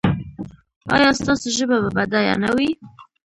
ایا ستاسو ژبه به بډایه نه وي؟